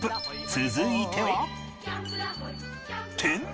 続いては